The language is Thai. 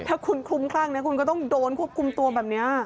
ถ้าคุณคลุ้มคลั่งคุณก็ต้องโดนควบคุมตัวแบบนี้